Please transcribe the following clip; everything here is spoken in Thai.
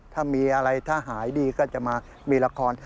ถ้ามีอะไรถ้าหายดีก็จะมามีละคร